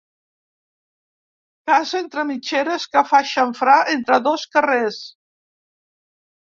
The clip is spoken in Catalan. Casa entre mitgeres que fa xamfrà entre dos carrers.